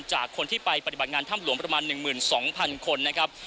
จากคนที่ไปปฏิบัติงานถ้ำหลวงประมาณ๑๒๐๐๐คนนะครับ